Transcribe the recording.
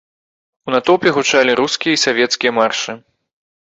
У натоўпе гучалі рускія і савецкія маршы.